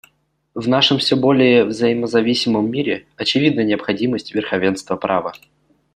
В нашем все более взаимозависимом мире очевидна необходимость верховенства права.